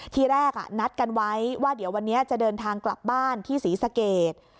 ทีแรกนัดกันไว้ว่าเดี๋ยววันนี้จะเดินทางกลับบ้านที่ศรีสเกต